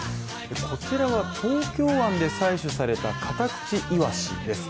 こちらは東京湾で採取された、カタクチイワシです。